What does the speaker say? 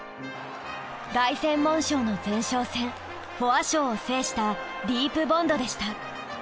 凱旋門賞の前哨戦フォワ賞を制したディープボンドでした。